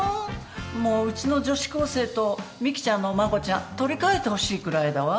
もううちの女子高生とミキちゃんのお孫ちゃん取り換えてほしいくらいだわ。